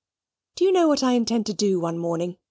"Do you know what I intend to do one morning?"